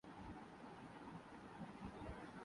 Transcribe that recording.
کسی سے باتوں میں مصروف ہوگیا